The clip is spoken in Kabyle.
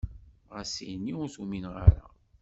Ɣas ini ur t-umineɣ ara.